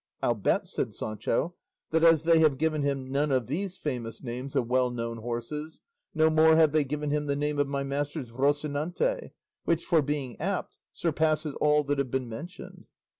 "I'll bet," said Sancho, "that as they have given him none of these famous names of well known horses, no more have they given him the name of my master's Rocinante, which for being apt surpasses all that have been mentioned."